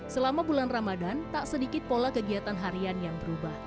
selama bulan ramadan tak sedikit pola kegiatan harian yang berubah